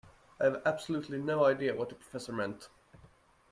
I have absolutely no idea what the professor meant.